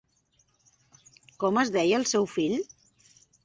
Com es deia el seu fill?